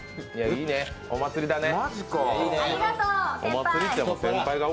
いいね、お祭りだね。